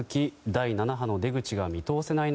第７波の出口が見通せない